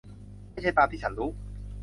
ไม่ใช่ตามที่ฉันรู้